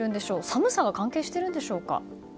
寒さは関係しているんでしょうか。